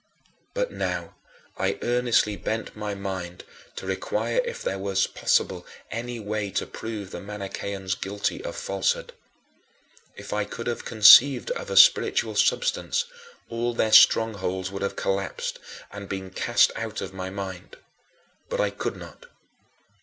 25. But now I earnestly bent my mind to require if there was possible any way to prove the Manicheans guilty of falsehood. If I could have conceived of a spiritual substance, all their strongholds would have collapsed and been cast out of my mind. But I could not.